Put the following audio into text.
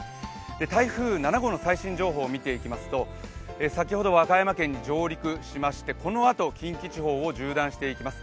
台風７号の最新情報を見ていきますと先ほど和歌山県に上陸しましてこのあと近畿地方を縦断していきます。